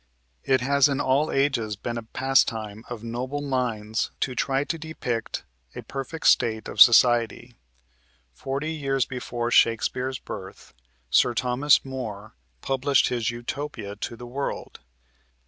It has in all ages been a pastime of noble minds to try to depict a perfect state of society. Forty years before Shakespeare's birth, Sir Thomas More published his "Utopia" to the world.